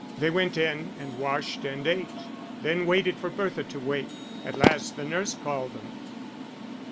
They went in and washed and ate, then waited for Bertha to wake. At last the nurse called them.